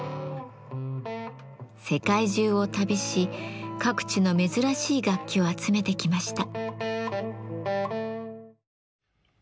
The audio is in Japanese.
世界中を旅し各地の珍しい楽器を集めてきました。